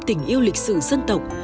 tình yêu lịch sử dân tộc